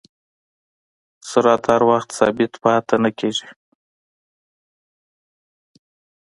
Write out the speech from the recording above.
سرعت هر وخت ثابت پاتې نه کېږي.